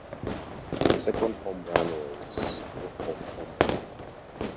The second home run was a walk off home run.